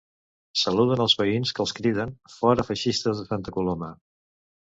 Saluden als veïns que els criden “fora feixistes de Santa Coloma”.